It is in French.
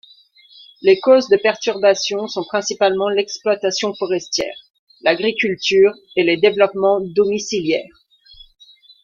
Les causes de perturbations sont principalement l'exploitation forestière, l'agriculture et les développements domiciliaires.